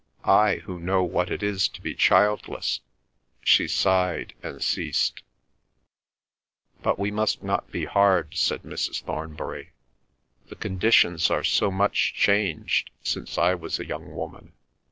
I, who know what it is to be childless—" she sighed and ceased. "But we must not be hard," said Mrs. Thornbury. "The conditions are so much changed since I was a young woman."